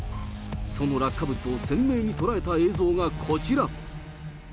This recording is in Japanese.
その落下物を鮮明に捉えた映像がこちら。